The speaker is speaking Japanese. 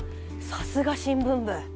さすが新聞部。